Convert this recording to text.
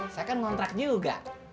saya kan ngontrak juga